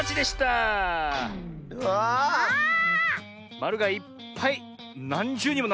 まるがいっぱいなんじゅうにもなってるねえ。